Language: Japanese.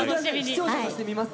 視聴者として見ます。